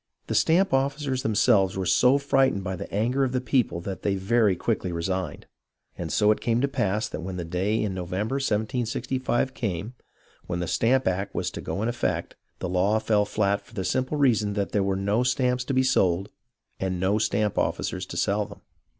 The stamp officers themselves were so frightened by the anger of the people that they very quickly resigned. And so it came to pass that when the day in November, 1765, came, when the Stamp Act was to go into effect, the law fell flat for the simple reason that there were no stamps to be sold and no stamp officers to sell them.